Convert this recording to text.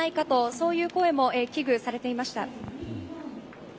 そういう声も危惧されていました。